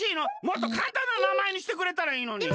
もっとかんたんななまえにしてくれたらいいのに。